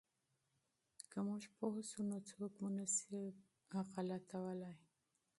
که موږ پوه سو نو څوک مو نه سي غولولای.